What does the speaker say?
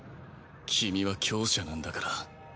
君は強者なんだから。